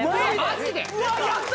マジで！？